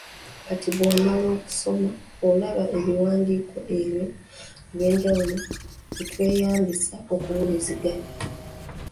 Kati bw'omala okusoma olaba ebiwandiiko ebyo eby’enjawulo bye tweyambisa okuwuliziganya.